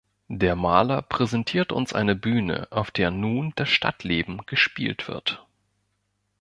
Der Maler präsentiert uns eine Bühne, auf der nun das Stadtleben „gespielt“ wird.